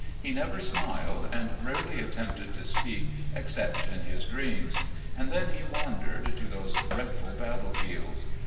He never smiled, and rarely attempted to speak, except in his dreams, and then he wandered to those dreadful battle fields.